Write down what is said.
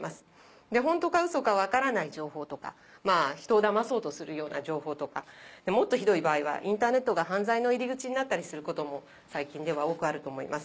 ホントかウソか分からない情報とか人をだまそうとするような情報とかもっとひどい場合はインターネットが犯罪の入り口になったりすることも最近では多くあると思います。